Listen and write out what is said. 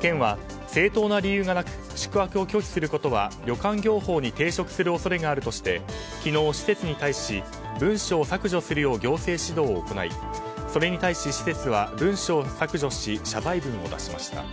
県は正当な理由がなく宿泊を拒否することは旅館業法に抵触する恐れがあるとして昨日、施設に対し文書を削除するよう行政指導を行いそれに対して施設は文章を削除し謝罪文を出しました。